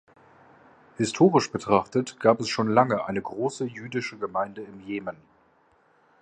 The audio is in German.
Historisch betrachtet gab es schon lange eine große jüdische Gemeinde im Jemen.